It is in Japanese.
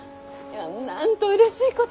なんとうれしいこと。